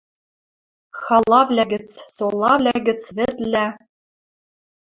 Халавлӓ гӹц, солавлӓ гӹц вӹдлӓ